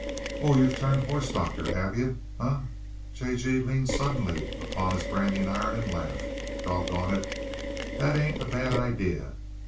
"Oh. You've turned horse doctor, have yuh?" J. G. leaned suddenly upon his branding iron and laughed. "Doggone it, that ain't a bad idea.